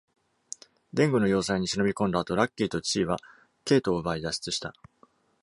Deng の要塞に忍び込んだ後、Lucky と Chi は Kate を奪い、脱出した。